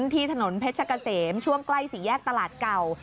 ที่ถนนเพชรกะเสมช่วงใกล้สี่แยกตลาดเก่า